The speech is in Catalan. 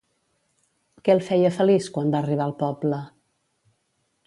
Què el feia feliç quan va arribar al poble?